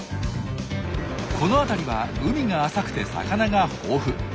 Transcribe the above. この辺りは海が浅くて魚が豊富。